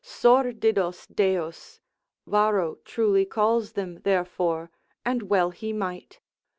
sordidos deos Varro truly calls them therefore, and well he might.